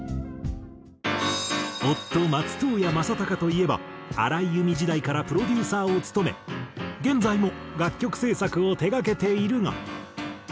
夫松任谷正隆といえば荒井由実時代からプロデューサーを務め現在も楽曲制作を手がけているが。